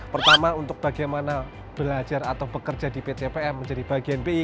pertama untuk bagaimana belajar atau bekerja di pcpm menjadi bagian bi